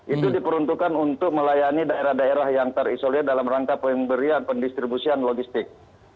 itu diperuntukkan untuk melayani daerah daerah yang terisolir dalam rangka pemberian pendistribusian logistik